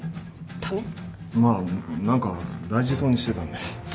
まあ何か大事そうにしてたんで。